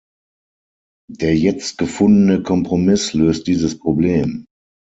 Der jetzt gefundene Kompromiss löst dieses Problem.